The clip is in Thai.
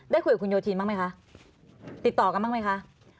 ได้คุยกับคุณโยธีนบ้างไหมคะติดต่อกันบ้างไหมคะ